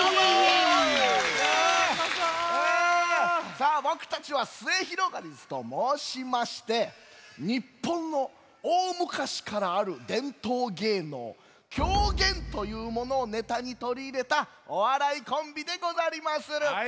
さあぼくたちはすゑひろがりずともうしましてにっぽんのおおむかしからあるでんとうげいのう狂言というものをネタにとりいれたおわらいコンビでござりまする。